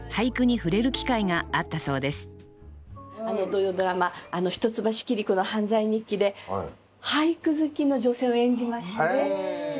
土曜ドラマ「一橋桐子の犯罪日記」で俳句好きの女性を演じましてね。